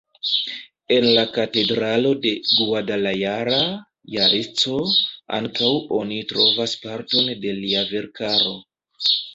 En la katedralo de Guadalajara, Jalisco, ankaŭ oni trovas parton de lia verkaro.